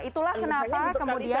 itulah kenapa kemudian